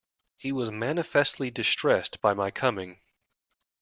He was manifestly distressed by my coming.